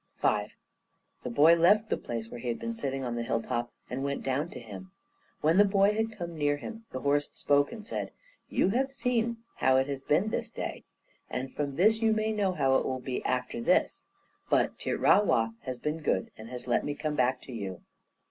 V The boy left the place where he had been sitting on the hilltop, and went down to him. When the boy had come near to him, the horse spoke and said: "You have seen how it has been this day; and from this you may know how it will be after this. But Ti ra' wa has been good, and has let me come back to you.